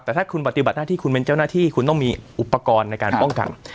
แต่ถ้าคุณปฏิบัติหน้าที่คุณเป็นเจ้าหน้าที่คุณต้องมีอุปกรณ์ในการป้องกัน